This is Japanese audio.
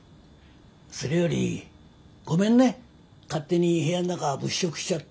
それよりごめんね勝手に部屋ん中物色しちゃって。